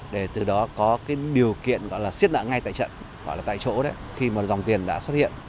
để từ đó có điều kiện siết nặng ngay tại trận tại chỗ khi mà dòng tiền đã xuất hiện